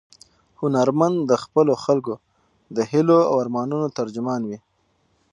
هنرمند د خپلو خلکو د هیلو او ارمانونو ترجمان وي.